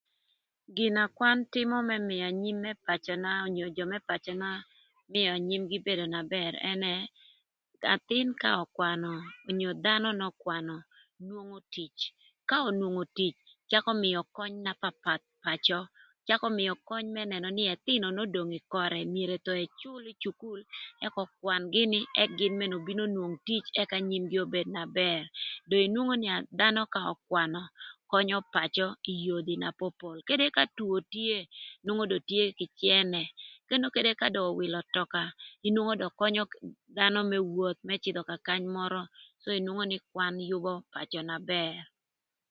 Gina kwan tïmö më mïö anyim më pacöna onyo jö më pacöna mïö anyimgï bedo na bër ënë k'athïn ka ökwanö onyo dhanö n'ökwanö nwongo tic. Ka onwongo tic cakö mïö köny na papath pacö, cakö mïö köny më nënö nï ëthïnö n'odong ï körë myero thon ëcül ï cukul ëk ökwan gïnï ëk gïn mënë obin onwong tic ëk anyimgï obed na bër do inwongo nï dhanö ka ökwanö könyö pacö kï yodhi na popol kadï ka two tye nwongo dong tye kï cënë ën ökënë ka do öwïlö ötöka inwongo do könyö dhanö më woth më cïdhö ka kany mörö nwongo nï kwan yübö pacö bedo na bër